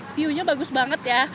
view nya bagus banget ya